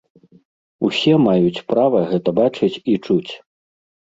Усе маюць права гэта бачыць і чуць.